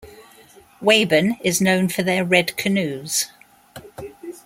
Wabun is known for their red canoes.